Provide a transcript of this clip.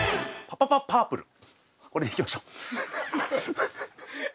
パパパ・パープルでいきましょう！